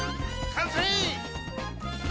かんせい！